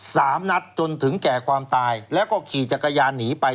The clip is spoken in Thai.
สามนัดจนถึงแก่ความตายแล้วก็ขี่จักรยานหนีไป